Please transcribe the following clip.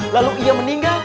lalu ia meninggal